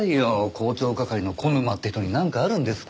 広聴係の小沼って人になんかあるんですか？